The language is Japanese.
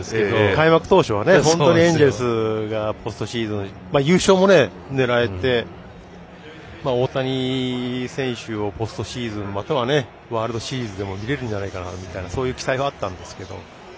開幕当初は本当にポストシーズン優勝も狙えて大谷選手をポストシーズンまたは、ワールドシーズンを見れるんじゃないかという期待もあったんですけど。